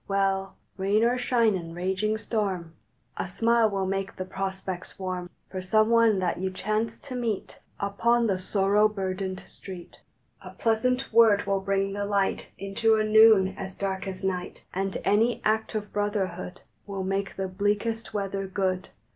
Well, rain or shine, in raging storm, A smile will make the prospects warm For some one that you chance to meet Upon the sorrow burdened street. A pleasant word will bring the light Into a noon as dark as night, And any act of brotherhood Will make the bleakest weather good.